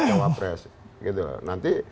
jawab pres nanti